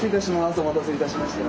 お待たせ致しました。